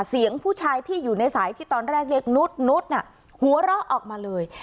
เสียงผู้ชายที่อยู่ในสายที่ตอนแรกเรียกนุษย์นุษย์หัวเราะออกมาเลย